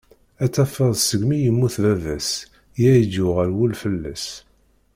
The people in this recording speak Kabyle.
Ad tafeḍ segmi i yemmut baba-s i ay-d-yuɣal wul fall-as.